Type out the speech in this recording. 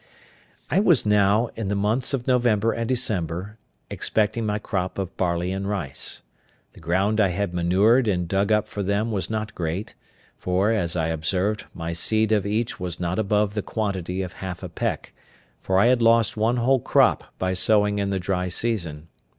I was now, in the months of November and December, expecting my crop of barley and rice. The ground I had manured and dug up for them was not great; for, as I observed, my seed of each was not above the quantity of half a peck, for I had lost one whole crop by sowing in the dry season.